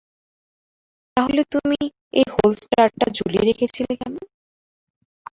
তাহলে তুমি এই হোলস্টারটা ঝুলিয়ে রেখেছিলে কেন?